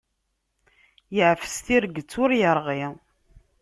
Iɛfes tirget ur irɣi.